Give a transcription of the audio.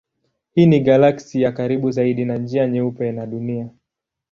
Hii ni galaksi ya karibu zaidi na Njia Nyeupe na Dunia.